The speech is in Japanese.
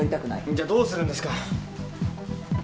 じゃあどうするんですか？